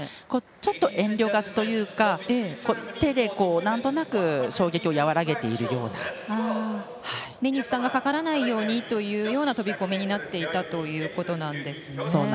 遠慮がちというか手で、なんとなく目に負担がかからないようにというような飛び込みになっていたということなんですね。